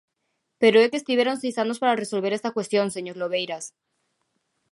¡Pero é que tiveron seis anos para resolver esta cuestión, señor Lobeiras!